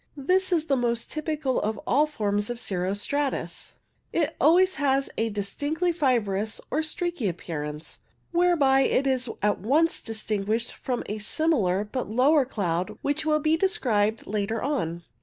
This is the most typical of all forms of cirro stratus. It has always a dis tinctly fibrous or streaky appearance, whereby it is at once distinguished from a similar but lower cloud which will be described later on.